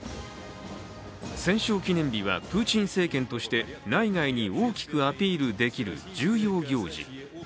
戦勝記念日はプーチン政権として内外に大きくアピールできる重要行事。